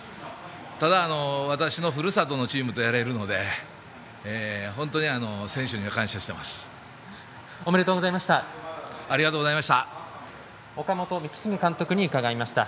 ただ、私のふるさとのチームとやれるのでおめでとうございました。